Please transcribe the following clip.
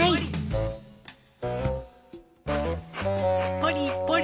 ポリポリ。